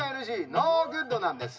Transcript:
ノーグッドなんです。